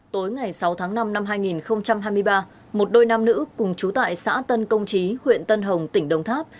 tối ngày sáu tháng năm năm hai nghìn hai mươi ba một đôi nam nữ cùng chú tại xã tân công trí huyện tân hồng tỉnh đồng tháp